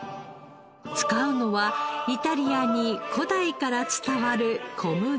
使うのはイタリアに古代から伝わる小麦。